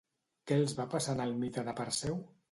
Què els va passar en el mite de Perseu?